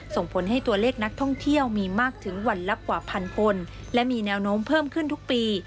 ส่งผลให้ตัวเลขนักท่องเที่ยวมีมากถึงวันละกว่าพันคนและมีแนวโน้มเพิ่มขึ้นทุกปี